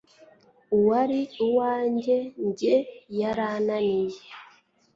uwari uwanjye jye yarananiye